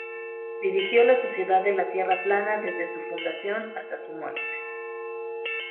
Dirigió la Sociedad de la Tierra Plana desde su fundación hasta su muerte.